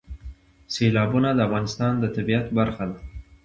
سیلابونه د افغانستان د طبیعت برخه ده.